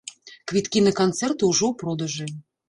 Квіткі на канцэрты ўжо ў продажы.